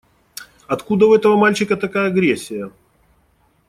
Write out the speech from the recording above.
Откуда у этого мальчика такая агрессия?